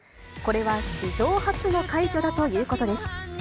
これは史上初の快挙だということです。